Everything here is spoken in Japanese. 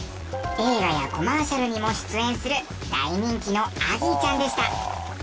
映画やコマーシャルにも出演する大人気のアギーちゃんでした。